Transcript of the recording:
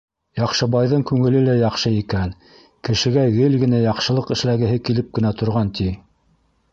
Яҡшыбайҙың күңеле лә яҡшы икән, кешегә гел генә яҡшылыҡ эшләгеһе килеп кенә торған, ти.